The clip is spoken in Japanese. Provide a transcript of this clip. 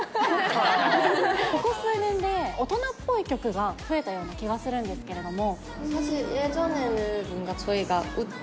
ここ数年で大人っぽい曲が増えたような気がするんですけれども。